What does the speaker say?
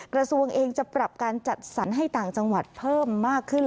กระทรวงเองจะปรับการจัดสรรให้ต่างจังหวัดเพิ่มมากขึ้น